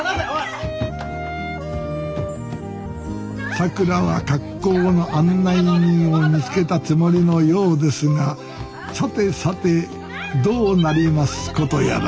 さくらは格好の案内人を見つけたつもりのようですがさてさてどうなりますことやら